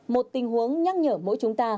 một tình huống nhắc nhở mỗi chúng ta